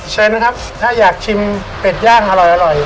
เชิญนะครับถ้าอยากชิมเป็ดย่างอร่อย